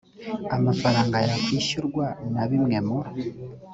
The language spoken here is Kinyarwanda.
amafaranga yakwishyurwa na bimwe mu